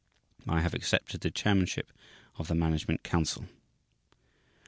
. I have accepted the chairmanship of the management council."